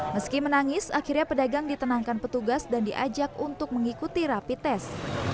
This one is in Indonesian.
meski menangis akhirnya pedagang ditenangkan petugas dan diajak untuk mengikuti rapi tes